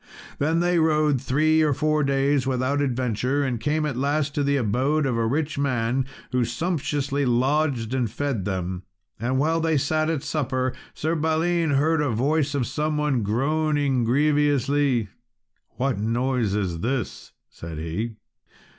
Then they rode three or four days without adventure and came at last to the abode of a rich man, who sumptuously lodged and fed them. And while they sat at supper Sir Balin heard a voice of some one groaning grievously. "What noise is this?" said he.